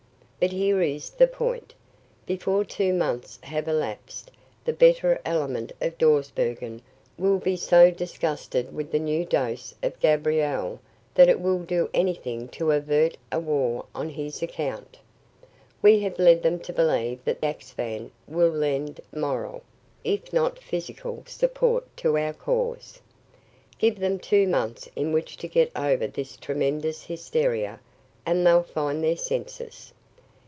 But here is the point: before two months have elapsed the better element of Dawsbergen will be so disgusted with the new dose of Gabriel that it will do anything to avert a war on his account. We have led them to believe that Axphain will lend moral, if not physical, support to our cause. Give them two months in which to get over this tremendous hysteria, and they'll find their senses.